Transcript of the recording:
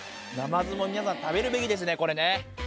ナマズも皆さん、食べるべきですね、これね。